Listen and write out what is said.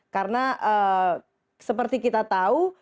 karena seperti kita tahu